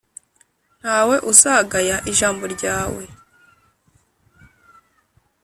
nta we uzagaya ijambo ryawe.